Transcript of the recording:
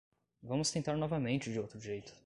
Vamos tentar novamente de outro jeito